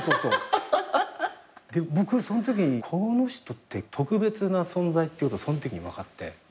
僕そのときにこの人って特別な存在ってことそのときに分かって。